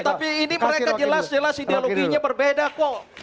tapi ini mereka jelas jelas ideologinya berbeda kok